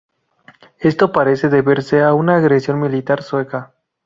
Esto parece deberse a una agresión militar sueca.